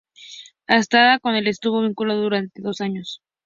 Astana con el que estuvo vinculado durante dos años.